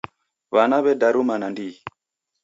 W'ana w'edaruma nandighi.